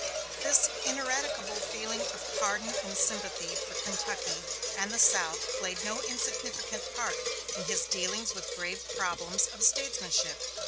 This ineradicable feeling of pardon and sympathy for Kentucky and the South played no insignificant part in his dealings with grave problems of statesmanship.